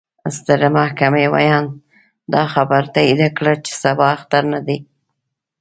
ستر محكمې وياند: دا خبره تايد کړه، چې سبا اختر نه دې.